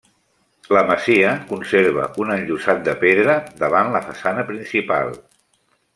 La masia conserva un enllosat de pedra davant la façana principal.